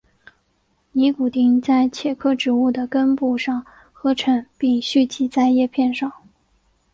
尼古丁在茄科植物的根部上合成并蓄积在叶片上。